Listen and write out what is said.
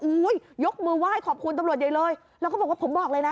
ยกมือไหว้ขอบคุณตำรวจใหญ่เลยแล้วก็บอกว่าผมบอกเลยนะ